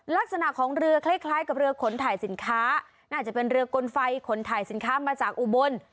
ลักษณะของเรือคล้ายกับเรือขนถ่ายสินค้าน่าจะเป็นเรือกลไฟขนถ่ายสินค้ามาจากอุบล